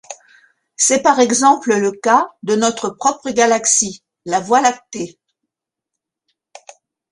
C’est par exemple le cas de notre propre galaxie, la Voie lactée.